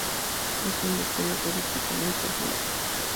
Es un destino turístico muy popular.